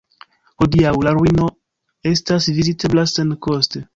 Hodiaŭ la ruino estas vizitebla senkoste.